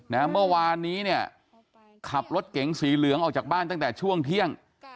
เมื่อวานนี้เนี่ยขับรถเก๋งสีเหลืองออกจากบ้านตั้งแต่ช่วงเที่ยง